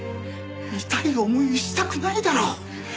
痛い思いしたくないだろ？